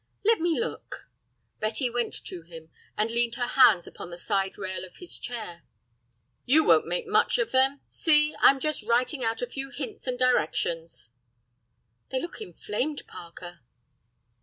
"Let me look." Betty went to him, and leaned her hands upon the side rail of his chair. "You won't make much of them. See, I'm just writing out a few hints and directions. "They look inflamed, Parker."